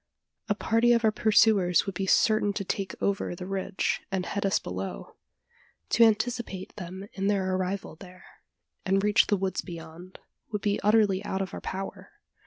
A party of our pursuers would be certain to take over the ridge, and head us below. To anticipate them in their arrival there, and reach the woods beyond, would be utterly out of our power.